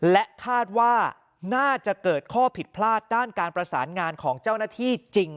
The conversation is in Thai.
และคาดว่าน่าจะเกิดข้อผิดพลาดด้านการประสานงานของเจ้าหน้าที่จริง